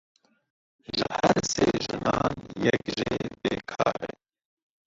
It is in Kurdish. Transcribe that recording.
Ji her sê jinan yek jê bê kar e.